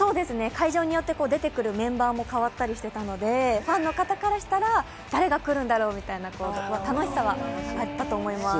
会場によって出てくるメンバーも変わってたりしたので、ファンの方からしたら誰が来るんだろう？みたいな楽しさはあったと思います。